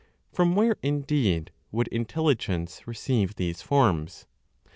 From where indeed would intelligence receive these forms?